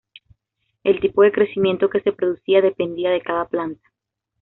El tipo de crecimiento que se producía dependía de cada planta.